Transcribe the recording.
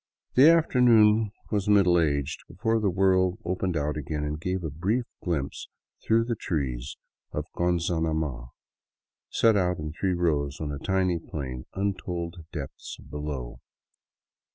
The afternoon was middle aged before the world opened out again and gave a brief glimpse through the trees of Gon zanama, set out in three rows on a tiny plain untold depths below.